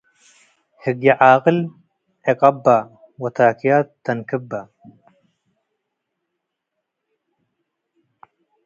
. ህግየ ዓቅል ዕቀበ ወታክያት ተንክበ፣